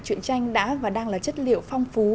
chuyện tranh đã và đang là chất liệu phong phú